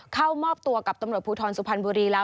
เข้ามอบตัวกับตำรวจภูทรสุพรรณบุรีแล้ว